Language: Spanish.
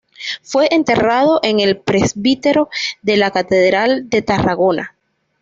Fue enterrado en el presbiterio de la Catedral de Tarragona.